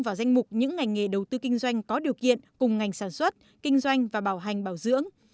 vào danh mục những ngành nghề đầu tư kinh doanh có điều kiện cùng ngành sản xuất kinh doanh và bảo hành bảo dưỡng